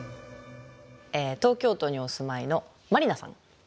東京都にお住まいのまりなさん